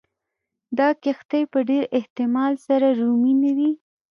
دا کښتۍ په ډېر احتمال سره رومي نه وې